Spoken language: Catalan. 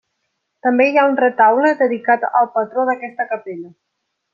També hi ha un retaule dedicat al patró d'aquesta capella.